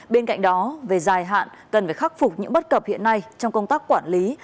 bên cạnh đó về dài hạn cần phải khắc phục những bất cập hiện nay trong công tác quản lý